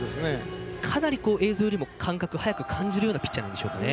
かなり映像よりも感覚、速く感じるピッチャーでしょうね。